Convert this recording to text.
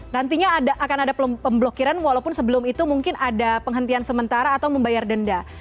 nantinya akan ada pemblokiran walaupun sebelum itu mungkin ada penghentian sementara atau membayar denda